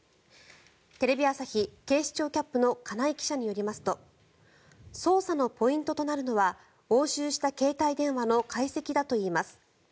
テレビ朝日警視庁キャップの金井記者によりますと捜査のポイントとなるのは押収した携帯電話の解析だといいます。